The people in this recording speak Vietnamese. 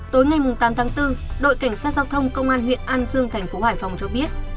tối ngày tám tháng bốn đội cảnh sát giao thông công an huyện an dương thành phố hải phòng cho biết